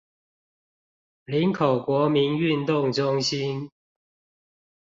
林口國民運動中心